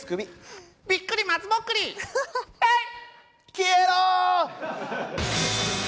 消えろ！